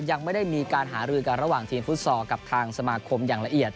ยังไม่ได้มีการหารือกันระหว่างทีมฟุตซอลกับทางสมาคมอย่างละเอียด